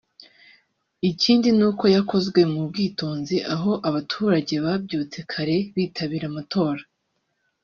ikindi n’uko yakozwe mu bwitonzi aho aba baturage babyutse kare bitabira amatora